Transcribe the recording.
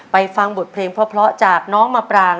ฟังบทเพลงเพราะจากน้องมาปราง